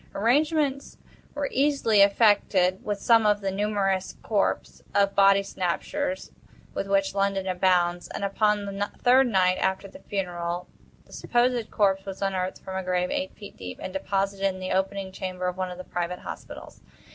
Arrangements were easily effected with some of the numerous corps of body snatchers, with which London abounds; and, upon the third night after the funeral, the supposed corpse was unearthed from a grave eight feet deep, and deposited in the opening chamber of one of the private hospitals.